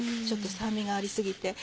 ちょっと酸味があり過ぎて。